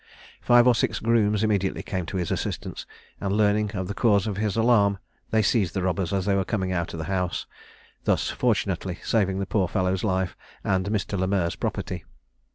Five or six grooms immediately came to his assistance; and, learning the cause of his alarm, they seized the robbers as they were coming out of the house; thus fortunately saving the poor fellow's life and Mr. Le Merr's property.